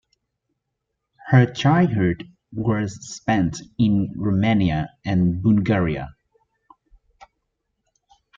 Her childhood was spent in Romania and Bulgaria.